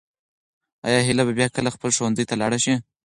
آیا هیله به بیا کله خپل ښوونځي ته لاړه شي؟